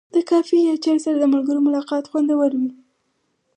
د کافي یا چای سره د ملګرو ملاقات خوندور وي.